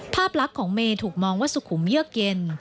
ภาพลักษณ์ของเมย์ถูกมองว่าสุขุมเยือกเย็น